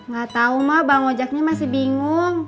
gak tau emak bang ojaknya masih bingung